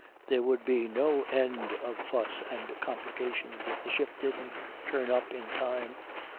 There would be no end of fuss and complications if the ship didn't turn up in time